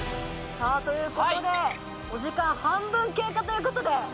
さぁということでお時間半分経過ということで。